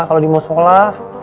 kalo di muskola